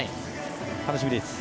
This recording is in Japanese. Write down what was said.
楽しみです。